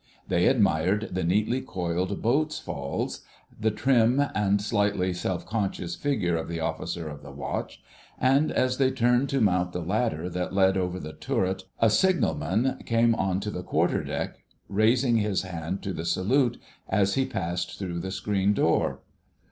They admired the neatly coiled boat's falls, the trim and slightly self conscious figure of the Officer of the Watch, and as they turned to mount the ladder that led over the turret a Signalman came on to the Quarter deck, raising his hand to the salute as he passed through the screen door.